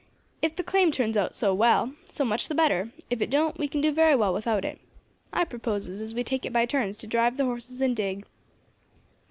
If the claim turns out well, so much the better; if it don't, we can do very well without it. I proposes as we take it by turns to drive the horses and dig."